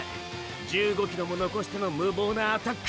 １５ｋｍも残しての無謀なアタック。